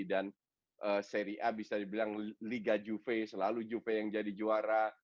dan seri a bisa dibilang liga juve selalu juve yang jadi juara